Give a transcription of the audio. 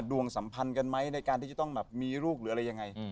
สัมพันธ์กันไหมในการที่จะต้องแบบมีลูกหรืออะไรยังไง